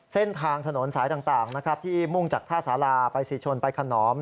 เส้นทางถนนสายต่างนะครับที่มุ่งจากท่าสาราไปศรีชนไปขนอม